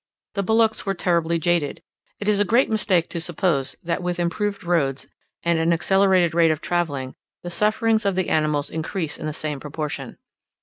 The bullocks were terribly jaded: it is a great mistake to suppose that with improved roads, and an accelerated rate of travelling, the sufferings of the animals increase in the same proportion.